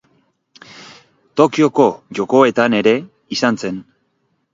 Tokioko Jokoetan ere izan zen